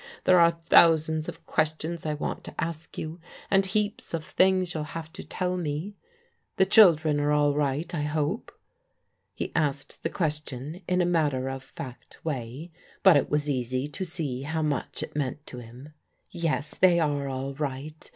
There are thousands of questions I want to ask you, and heaps of things you'll have to tell me. The children are all right, I hope ?" He asked the question in a matter of fact way, but it was easy to see how much it meant to him. "Yes, they are all right.